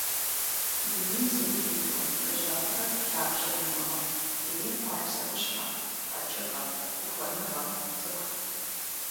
Дунейм зыри теткъым къежьапӏэрэ лъабжьэрэ имыӏэу, ирехъу ар псэущхьэ, къэкӏыгъэ, ухуэныгъэ, цӏыху.